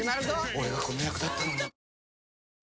俺がこの役だったのに菊池）